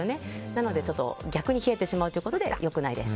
なので逆に冷えてしまうということで良くないです。